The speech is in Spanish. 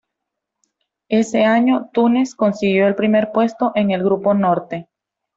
Ese año Túnez consiguió el primer puesto en el grupo Norte.